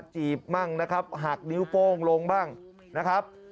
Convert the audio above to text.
จีบบ้างนะครับหักนิ้วโป้งลงบ้างนะครับ